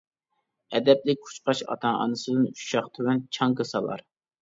ئەدەپلىك قۇشقاچ، ئاتا-ئانىسىدىن ئۈچ شاخ تۆۋەن چاڭگا سالار.